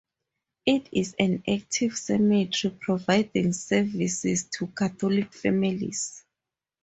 It is an active cemetery providing services to Catholic families.